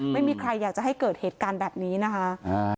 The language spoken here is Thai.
ไม่มีใครอยากจะให้เกิดเหตุการณ์แบบนี้นะคะ